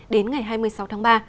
đến ngày hai mươi sáu tháng ba